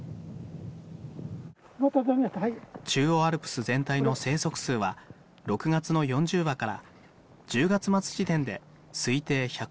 中央アルプス全体の生息数は６月の４０羽から１０月末時点で推定１００羽にまで増えた。